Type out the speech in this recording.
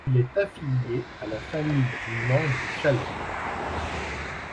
Il est affilié à la Famille du Mans du Chalais.